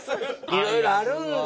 いろいろあるんだ。